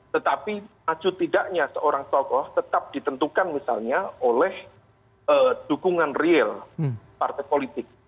tetapi maju tidaknya seorang tokoh tetap ditentukan misalnya oleh dukungan real partai politik